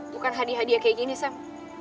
bukan hadiah hadiah kayak gini sam